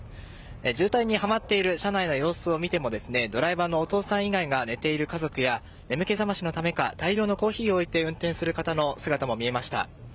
渋滞にはまっている車内の様子を見てもドライバーのお父さん以外が寝ている家族や眠気覚ましのためか大量のコーヒーを置いて運転している人の姿も見られました。